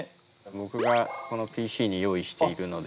僕がこのＰＣに用意しているので。